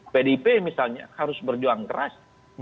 pdip misalnya harus berjuang keras